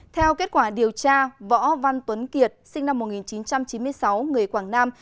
theo kết quả điều tra võ văn tuấn kiệt sinh năm một nghìn chín trăm chín mươi sáu người quảng nam